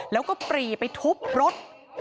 แล้วก็ปรีไปทุบรถ